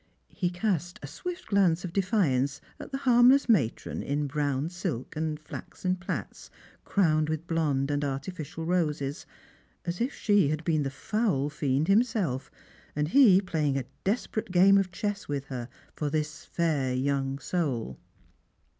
He cast a swift glance of defiance at the harmless matron in brown silk and flaxen plaits crowned with blonde and artificial roses, as if she had been the foul fiend himself, and he playing a desperate game of chess with her for this fair young soul.